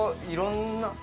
いろんな。